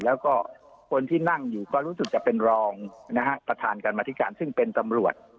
แล้วก็คนที่นั่งอยู่ก็รู้สึกจะเป็นรองนะฮะประธานกรรมธิการซึ่งเป็นตำรวจ